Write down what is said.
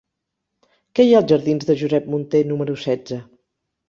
Què hi ha als jardins de Josep Munté número setze?